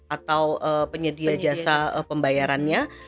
atau penyedia jasa pembayarannya